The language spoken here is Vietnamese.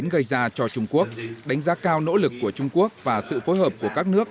gây ra cho trung quốc đánh giá cao nỗ lực của trung quốc và sự phối hợp của các nước